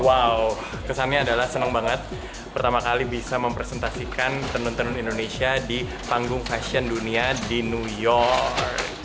wow kesannya adalah senang banget pertama kali bisa mempresentasikan tenun tenun indonesia di panggung fashion dunia di new york